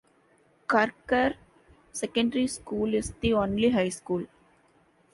Karkar Secondary School is the only high school.